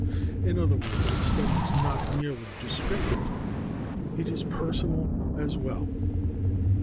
In other words, the study is not merely descriptive, it is personal as well.